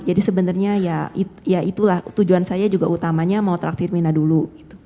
jadi sebenarnya ya itulah tujuan saya juga utamanya mau traktir mirna dulu